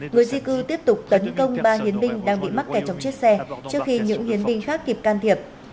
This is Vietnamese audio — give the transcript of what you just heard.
người di cư tiếp tục tấn công ba hiến binh đang bị mắc kẹt trong chiếc xe trước khi những hiến binh khác kịp can thiệp